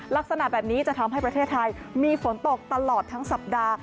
ลักษณะแบบนี้จะทำให้ประเทศไทยมีฝนตกตลอดทั้งสัปดาห์